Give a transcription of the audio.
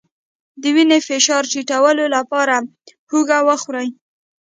د وینې فشار ټیټولو لپاره هوږه وخورئ